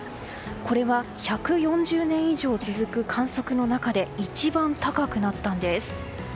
これは、１４０年以上続く観測の中で一番高くなったんです。